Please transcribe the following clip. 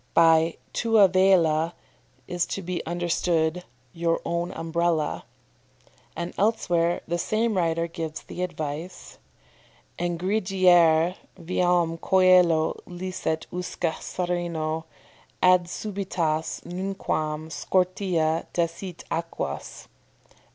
"] By tua vela is to be understood "your own Umbrella." And elsewhere the same writer gives the advice: "Ingrediare viam coelo licet usque sereno Ad subitas nunquam scortea desit aquas."